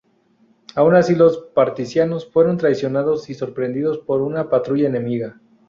Aun así los partisanos fueron traicionados y sorprendidos por una patrulla enemiga.